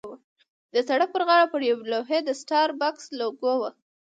د سړک پر غاړه پر یوې لوحې د سټاربکس لوګو وه.